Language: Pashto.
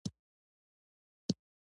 موزیک زړونه نږدې کوي.